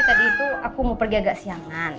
sebenarnya sih tadi itu aku mau pergi agak siangan